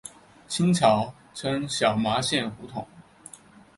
清朝称小麻线胡同。